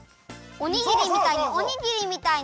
おにぎりみたいにおにぎりみたいに。